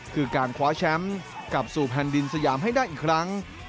คือการคว้าแชมป์กลับสู่แผ่นดินสยามให้ได้อีกครั้ง